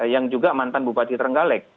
yang juga mantan bupati terenggalek